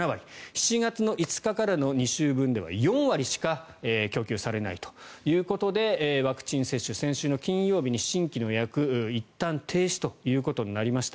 ７月５日からの２週分では４割しか供給されないということでワクチン接種、先週の金曜日に新規の予約をいったん停止ということになりました。